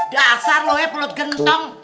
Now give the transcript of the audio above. dasar loh ya pelut gentong